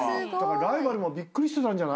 ライバルもびっくりしてたんじゃない。